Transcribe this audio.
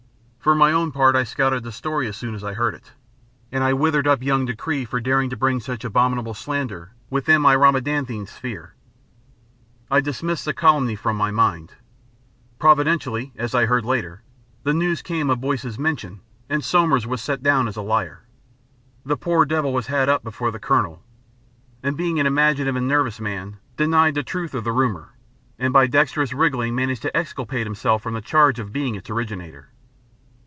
For my own part I scouted the story as soon as I heard it, and I withered up young Dacre for daring to bring such abominable slander within my Rhadamanthine sphere. I dismissed the calumny from my mind. Providentially, (as I heard later), the news came of Boyce's "mention," and Somers was set down as a liar. The poor devil was had up before the Colonel and being an imaginative and nervous man denied the truth of the rumour and by dexterous wriggling managed to exculpate himself from the charge of being its originator.